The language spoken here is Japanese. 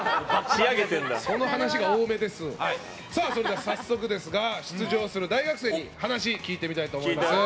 その話が多めですけど出場する大学生に話を聞いてみたいと思います。